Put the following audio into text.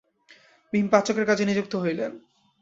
ভীম পাচকের কাজে নিযুক্ত হইলেন।